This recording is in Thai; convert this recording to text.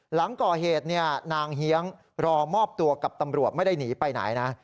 หลังก่อเหตุนางเฮียงรอมอบตัวกับตำรวจไม่ได้หนีไปไหนนะ